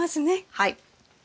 はい。